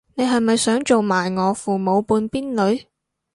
你係咪想做埋我父母半邊女